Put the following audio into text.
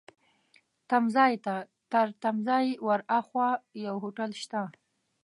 تمځای ته، تر تمځای ورهاخوا یو هوټل شته.